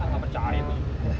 aku gak percaya